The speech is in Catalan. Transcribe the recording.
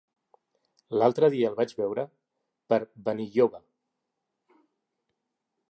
L'altre dia el vaig veure per Benilloba.